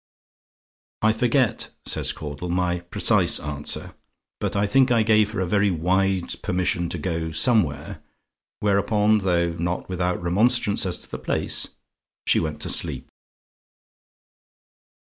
"I forget," says Caudle, "my precise answer; but I think I gave her a very wide permission to go somewhere, whereupon, though not without remonstrance as to the place she went to sleep."